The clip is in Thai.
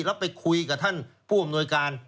แล้วไปคุยกับท่านผู้อำนวยการ